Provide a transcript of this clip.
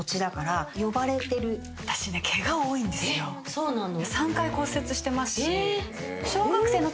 そうなの？